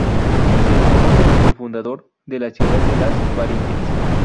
Se lo conoce como el fundador de la ciudad de Las Varillas.